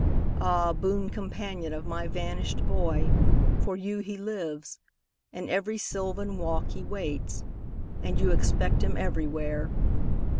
Ah, boon companion of my vanished boy. For you he lives; in every sylvan walk He waits; and you expect him everywhere.